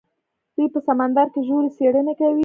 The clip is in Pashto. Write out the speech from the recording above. دوی په سمندر کې ژورې څیړنې کوي.